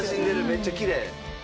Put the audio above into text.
めっちゃきれい。